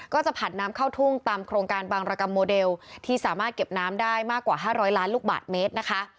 จะผัดน้ำเข้าทุ่งตามโครงการบางรกรรมโมเดลที่สามารถเก็บน้ำได้มากกว่า๕๐๐ล้านลูกบาทเมตรนะคะ